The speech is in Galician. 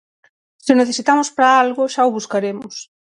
Se o necesitamos para algo xa o buscaremos.